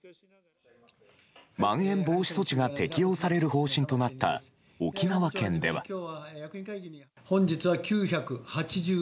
まん延防止措置が適用される方針となった沖縄県では。